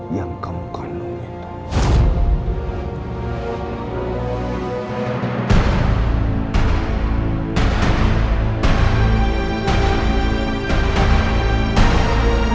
yang kamu kandungkan